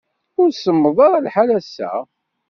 Ur semmeḍ ara lḥal ass-a.